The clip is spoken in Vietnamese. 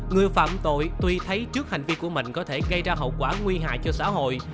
người phạm tội tuy thấy trước hành vi của mình có thể gây ra hậu quả nguy hại cho xã hội